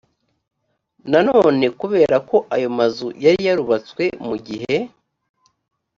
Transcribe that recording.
nanone kubera ko ayo mazu yari yarubatswe mu gihe